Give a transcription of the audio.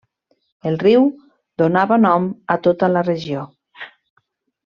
El riu donava nom a tota la regió.